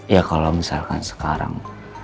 ya kalau misalkan sekarang